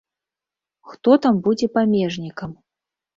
Хто там будзе памежнікам?